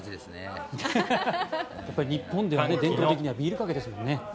日本では伝統的にはビールかけですもんね。